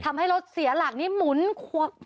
ทำให้รถเสียหลักนี้หมุนคว้อง